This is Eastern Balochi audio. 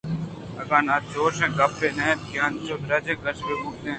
اگاں نا چوشیں گپے نہ اَت کہ اینچو درٛاج کش بہ بوتیں